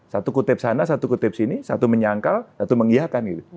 satu kutip sana satu kutip sini satu menyangkal satu mengiakan gitu